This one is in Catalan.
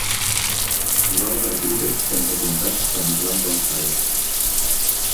Jugava a criquet entre comtats amb Lancashire.